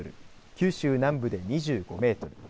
九州南部で２５メートル